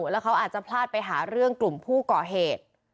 แล้วเขาอาจจะพลาดไปหาเรื่องกลุ่มผู้ก่อเหตุ